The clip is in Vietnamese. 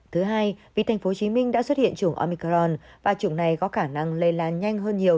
thứ hai vì tp hcm đã xuất hiện chủng omicron và chủng này có khả năng lây lan nhanh hơn nhiều